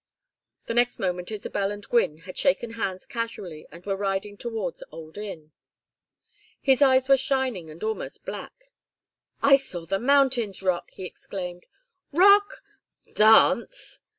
The next moment Isabel and Gwynne had shaken hands casually, and were riding towards Old Inn. His eyes were shining and almost black. "I saw the mountains rock!" he exclaimed. "Rock? Dance.